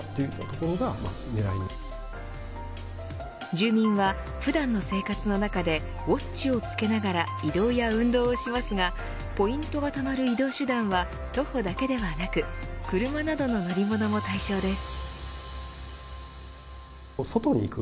住民は普段の生活の中でウォッチを着けながら移動や運動をしますがポイントがたまる移動手段は徒歩だけではなく車などの乗り物も対象です。